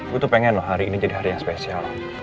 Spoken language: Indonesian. gue tuh pengen loh hari ini jadi hari yang spesial